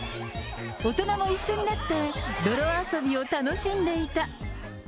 大人も一緒になって泥遊びを楽しんでいた。